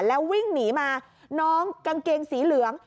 แล้ววิ่งหนีมาน้องกางเกงสีเหลือง